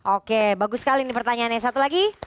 oke bagus sekali ini pertanyaannya satu lagi